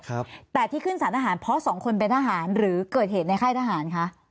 ครับแต่ที่ขึ้นสารทหารเพราะสองคนเป็นทหารหรือเกิดเหตุในค่ายทหารคะ